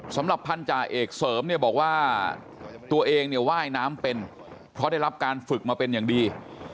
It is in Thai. สำหรับพันธาเอกเสริมเนี่ยบอกว่าตัวเองเนี่ยว่ายน้ำเป็นเพราะได้รับการฝึกมาเป็นอย่างดี